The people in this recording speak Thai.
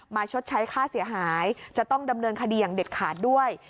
ชดใช้ค่าเสียหายจะต้องดำเนินคดีอย่างเด็ดขาดด้วย